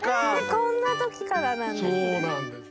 こんな時からなんですね。